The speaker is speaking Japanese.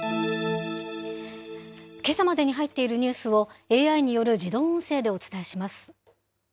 けさまでに入っているニュースをＡＩによる自動音声でお伝えします。